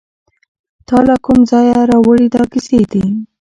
تاله کوم ځایه راوړي دا کیسې دي